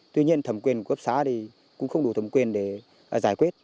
tuy nhiên thẩm quyền của cấp xã thì cũng không đủ thẩm quyền để giải quyết